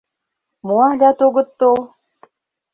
Мо алят огыт тол?